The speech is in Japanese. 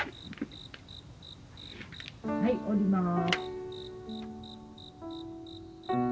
はい下ります。